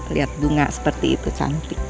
lihat bunga seperti itu cantik